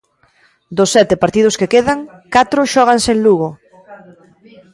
Dos sete partidos que quedan, catro xóganse en Lugo.